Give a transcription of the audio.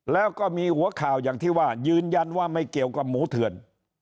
แล้วก็มีหัวข่าวอย่างที่ว่ายืนยันว่าไม่เกี่ยวกับหมูเถื่อน